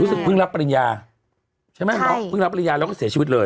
รู้สึกพึ่งรับปริญญาใช่ไหมพึ่งรับปริญญาแล้วก็เสียชีวิตเลย